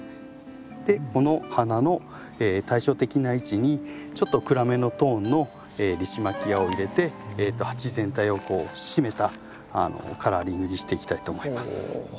この花の対称的な位置にちょっと暗めのトーンのリシマキアを入れて鉢全体を締めたカラーリングにしていきたいと思います。